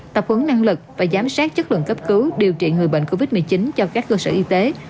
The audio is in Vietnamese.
tập huấn năng lực và giám sát chất lượng cấp cứu điều trị người bệnh covid một mươi chín cho các cơ sở y tế